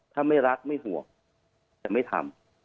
ถ้าไม่รักไม่ห่วงแต่ไม่ทำ